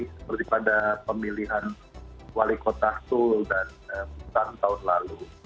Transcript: seperti pada pemilihan wali kota seoul dan bukan tahun lalu